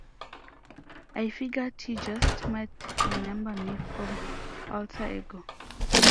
I figured he just might remember me from "Alter Ego".